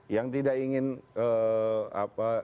yang tidak ingin apa